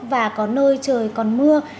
và có nơi trời còn mưa